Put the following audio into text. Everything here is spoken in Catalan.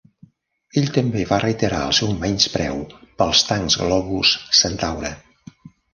Ell també va reiterar el seu menyspreu pels tancs globus Centaure.